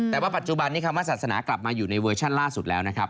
แต่ว่าปัจจุบันนี้คำว่าศาสนากลับมาอยู่ในเวอร์ชั่นล่าสุดแล้วนะครับ